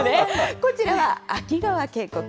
こちら、秋川渓谷。